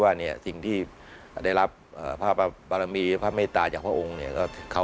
ว่าสิ่งที่ได้รับพระพระมีร์พระเมตตาจากพระองค์